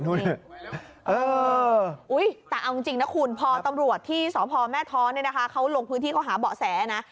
แต่เอาจริงนะคุณพอตำรวจที่สพแม่ท้อเนี่ยนะคะเขาลงพื้นที่เขาหาเบาะแสนะ